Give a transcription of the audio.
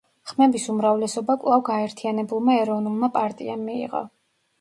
ხმების უმრავლესობა კვლავ გაერთიანებულმა ეროვნულმა პარტიამ მიიღო.